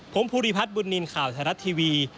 ผมภูริพัฒน์บุญนินทร์ข่าวไทยรัฐทีวี